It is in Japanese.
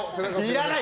いらない！